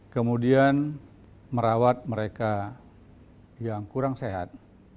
kemudian merawat mereka yang kurang sehat